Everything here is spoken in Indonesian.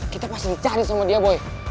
kita pasti dicari sama dia boy